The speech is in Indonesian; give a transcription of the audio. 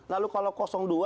lalu kalau dua